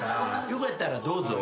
よかったらどうぞ。